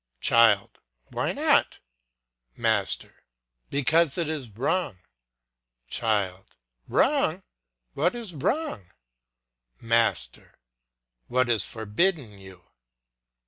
Child. Why not? Master. Because it is wrong. Child. Wrong! What is wrong? Master. What is forbidden you.